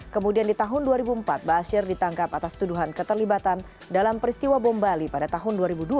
kemudian di tahun dua ribu empat bashir ditangkap atas tuduhan keterlibatan dalam peristiwa bom bali pada tahun dua ribu dua